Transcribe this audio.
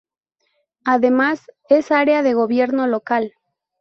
Además, es Área de Gobierno Local.